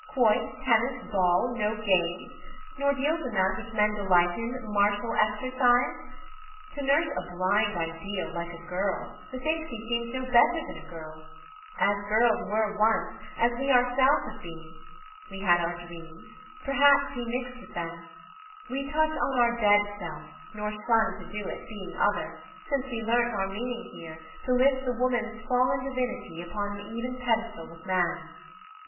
Quoit, tennis, ball no games? nor deals in that Which men delight in, martial exercise? To nurse a blind ideal like a girl, Methinks he seems no better than a girl; As girls were once, as we ourself have been: We had our dreams; perhaps he mixt with them: We touch on our dead self, nor shun to do it, Being other since we learnt our meaning here, To lift the woman's fallen divinity Upon an even pedestal with man.'